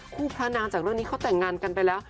พระนางจากเรื่องนี้เขาแต่งงานกันไปแล้ว